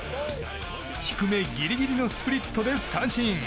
低めぎりぎりのスプリットで三振。